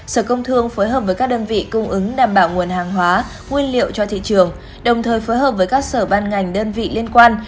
sở công thương phối hợp với các đơn vị cung ứng đảm bảo nguồn hàng hóa nguyên liệu cho thị trường đồng thời phối hợp với các sở ban ngành đơn vị liên quan